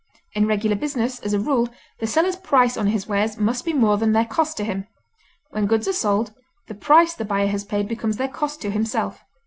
In regular business, as a rule, the seller's price on his wares must be more than their cost to him; when goods are sold, the price the buyer has paid becomes their cost to himself.